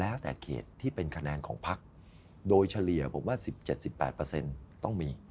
แล้วแต่เขตที่เป็นคะแนนของพักโดยเฉลี่ยผมว่าสิบเจ็ดสิบแปดเปอร์เซ็นต์ต้องมี